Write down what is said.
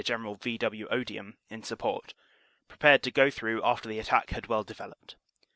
General V. W. Odium, in support, prepared to go through after the attack had well developed.